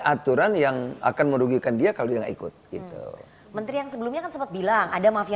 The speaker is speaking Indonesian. aturan yang akan merugikan dia kalau dia ikut gitu menteri yang sebelumnya kan sempat bilang ada mafia